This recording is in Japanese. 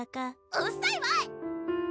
うっさいわい！